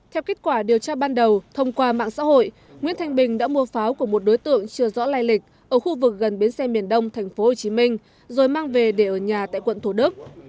theo kết quả điều tra ban đầu thông qua mạng xã hội nguyễn thanh bình đã mua pháo của một đối tượng chưa rõ lai lịch ở khu vực gần bến xe miền đông tp hcm rồi mang về để ở nhà tại quận thủ đức